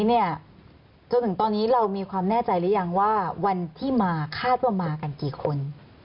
จนถึงตอนนี้เรามีความแน่ใจหรือยังว่าวันที่มาคาดว่ามากันกี่คน